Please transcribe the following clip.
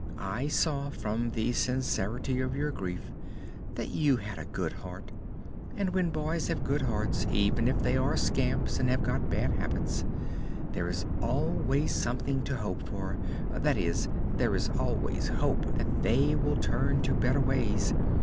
I saw from the sincerity of your grief that you had a good heart; and when boys have good hearts, even if they are scamps and have got bad habits, there is always something to hope for; that is, there is always hope that they will turn to better ways.